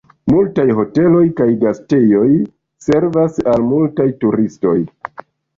Multaj hoteloj kaj gastejoj servas al multaj turistoj.